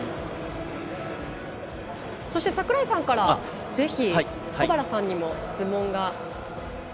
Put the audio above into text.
櫻井さんからぜひ、保原さんにも質問が。